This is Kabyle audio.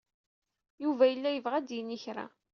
Yuba yella yebɣa ad d-yini kra.